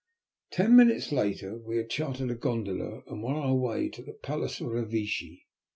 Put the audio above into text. Ten minutes later we had chartered a gondola and were on our way to the Palace Revecce.